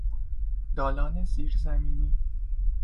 دالان زیر زمینی